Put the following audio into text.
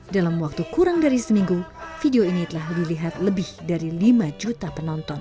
dalam waktu kurang dari seminggu video ini telah dilihat lebih dari lima juta penonton